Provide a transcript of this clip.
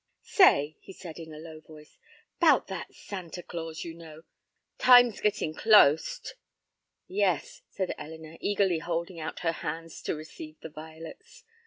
"Say," he said, in a low voice, "'bout that Santa Claus, you know. Time's gittin' clost." "Yes," said Elinor, eagerly holding out her hands to receive the violets.